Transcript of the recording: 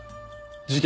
事件